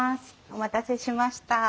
お待たせしました。